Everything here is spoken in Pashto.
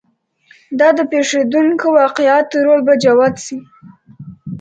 دا د پېښېدونکو واقعاتو رول به جوت شي.